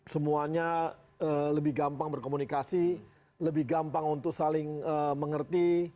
semuanya lebih gampang berkomunikasi lebih gampang untuk saling mengerti